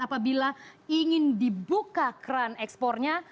apabila ingin dibuka keran ekspornya